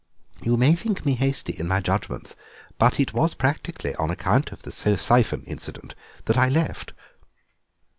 You may think me hasty in my judgments, but it was practically on account of the syphon incident that I left."